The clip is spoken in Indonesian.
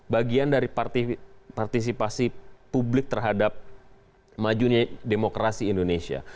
bagian dari partisipasi publik terhadap majunya demokrasi indonesia